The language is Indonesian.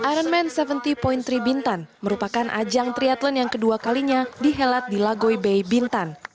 ironman tujuh puluh tiga bintan merupakan ajang triathlon yang kedua kalinya dihelat di lagoy bay bintan